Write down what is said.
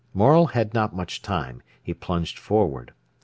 Morel had not much time; he plunged forward.